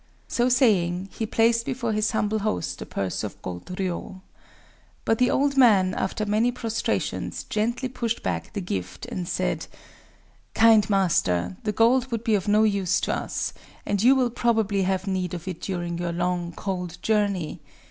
So saying, he placed before his humble host a purse of gold ryō. But the old man, after many prostrations, gently pushed back the gift, and said:— "Kind master, the gold would be of no use to us; and you will probably have need of it during your long, cold journey.